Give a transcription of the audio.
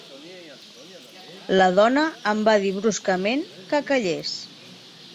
La dona em va dir bruscament que callés.